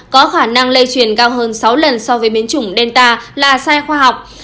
có khả năng lây truyền cao hơn sáu lần so với biến chủng delta là sai khoa học